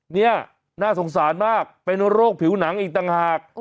นี่น่าสงสารมากเป็นโรคผิวหนังอีกต่างหาก